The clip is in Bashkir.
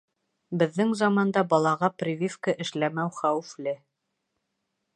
Беҙҙең заманда балаға прививка эшләмәү хәүефле!